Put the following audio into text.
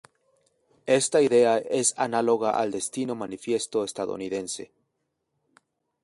Esta idea es análoga al Destino manifiesto estadounidense.